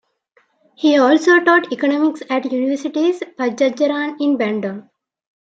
He also taught economics at Universitas Padjadjaran in Bandung.